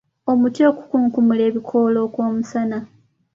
Omuti okukunkumula ebikoola okw’omusana.